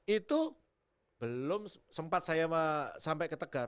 itu belum sempat saya sampai ke tegar